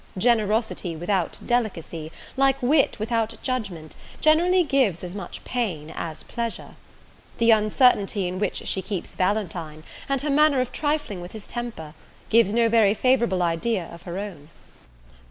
Generosity without delicacy, like wit without judgment, generally gives as much pain as pleasure. The uncertainty in which she keeps Valentine, and her manner of trifling with his temper, give no very favourable idea of her own."